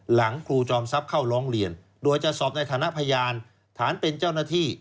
ครูจอมทรัพย์เข้าร้องเรียนโดยจะสอบในฐานะพยานฐานเป็นเจ้าหน้าที่